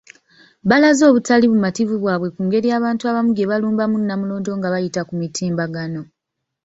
Balaze obutali bumativu bwabwe ku ngeri abantu abamu gyebalumbamu Namulondo nga bayita ku mitimbagano.